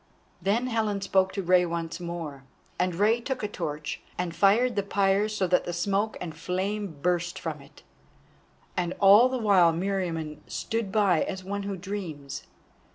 Then Helen spoke to Rei once more, and Rei took a torch and fired the pyre so that smoke and flame burst from it. And all the while Meriamun stood by as one who dreams.